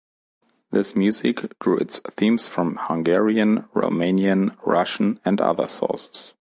This music drew its themes from Hungarian, Romanian, Russian and other sources.